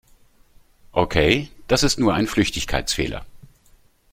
Okay, das ist nur ein Flüchtigkeitsfehler.